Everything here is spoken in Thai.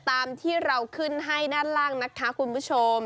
ตามที่เราขึ้นให้ด้านล่างนะคะคุณผู้ชม